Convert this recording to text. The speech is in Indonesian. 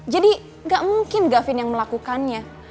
jadi gak mungkin gavin yang melakukannya